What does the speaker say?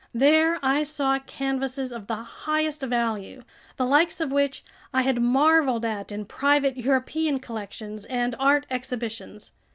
There I saw canvases of the highest value, the likes of which I had marveled at in private European collections and art exhibitions.